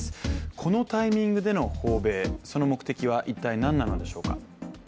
このタイミングでの訪米、その目的は一体何なのでしょうか？